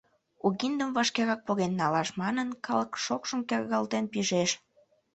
Угиндым вашкерак поген налаш манын, калык шокшым кергалтен пижеш.